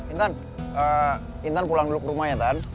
intan eh intan pulang dulu ke rumah ya tan